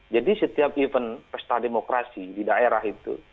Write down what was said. jadi setiap event pesta demokrasi di daerah itu